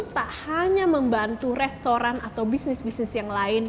tak hanya membantu restoran atau bisnis bisnis yang lain